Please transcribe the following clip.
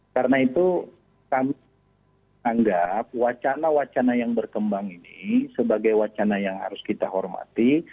karena itu kami anggap wacana wacana yang berkembang ini sebagai wacana yang harus kita hormati